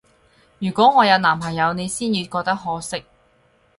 如果我有男朋友，你先要覺得可惜